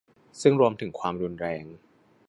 ซึ่งรวมถึงความรุนแรง